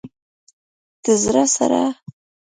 د زړه سره